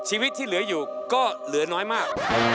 ชีวิตที่เหลืออยู่ก็เหลือน้อยมาก